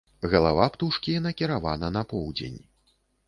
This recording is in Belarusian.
Галава птушкі накіравана на поўдзень.